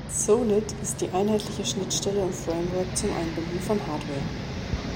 Solid ist die einheitliche Schnittstelle und Framework zum Einbinden von Hardware.